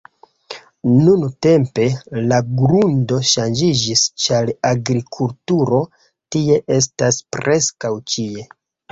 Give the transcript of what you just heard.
Nuntempe, la grundo ŝanĝiĝis ĉar agrikulturo tie estas preskaŭ ĉie.